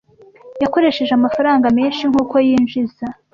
Yakoresheje amafaranga menshi nkuko yinjiza.